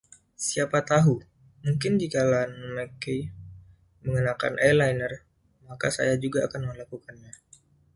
Siapa tahu, mungkin jika Ian MacKaye mengenakan eyeliner maka saya juga akan melakukannya.